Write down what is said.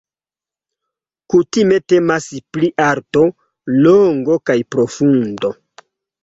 Kutime temas pri alto, longo kaj profundo.